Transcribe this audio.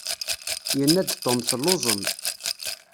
Yenna-d Tom telluẓem.